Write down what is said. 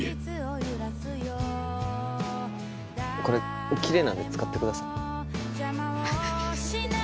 これきれいなんで使ってください。